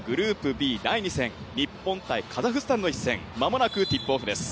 Ｂ第２戦日本×カザフスタン間もなくティップオフです。